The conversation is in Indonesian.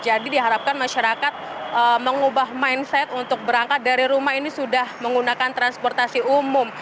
jadi diharapkan masyarakat mengubah mindset untuk berangkat dari rumah ini sudah menggunakan transportasi umum